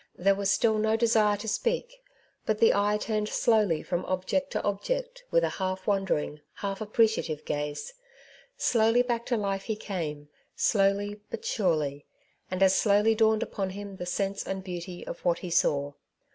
There was still no desire to speak ; but the eye turned slowly from object to object with a half wondering, half appreciative gaze. Slowly back to life he [^came ; slowly, but surely ; and as slowly dawned upon him the sense and beauty of what he saw.